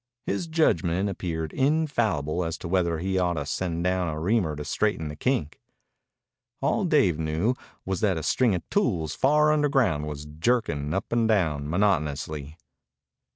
His judgment appeared infallible as to whether he ought to send down a reamer to straighten the kink. All Dave knew was that a string of tools far underground was jerking up and down monotonously.